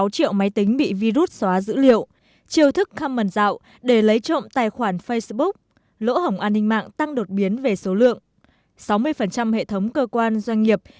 một sáu triệu máy tính bị virus xóa dữ liệu triều thức common rạo để lấy trộm tài khoản facebook lỗ hỏng an ninh mạng tăng đột biến về số lượng